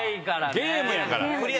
ゲームやから。